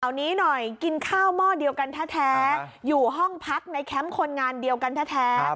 เอานี้หน่อยกินข้าวหม้อเดียวกันแท้อยู่ห้องพักในแคมป์คนงานเดียวกันแท้